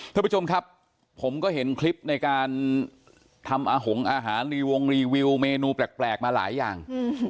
ท่านผู้ชมครับผมก็เห็นคลิปในการทำอาหารรีวงรีวิวเมนูแปลกมาหลายอย่าง